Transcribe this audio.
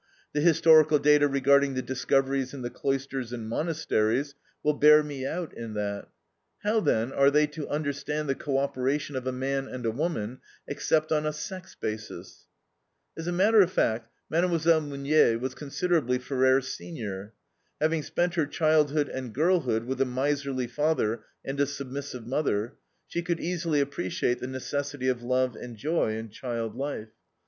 The historical data regarding the discoveries in the cloisters and monasteries will bear me out in that. How, then, are they to understand the co operation of a man and a woman, except on a sex basis? As a matter of fact, Mlle. Meunier was considerably Ferrer's senior. Having spent her childhood and girlhood with a miserly father and a submissive mother, she could easily appreciate the necessity of love and joy in child life.